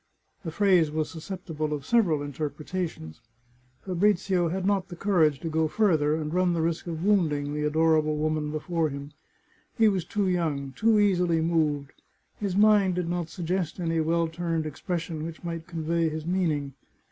The phrase was susceptible of several interpretations. Fabrizio had not courage to go farther, and run the risk of wounding the adorable woman before him. He was too young, too easily moved. His mind did not suggest any well turned expression which might convey his meaning.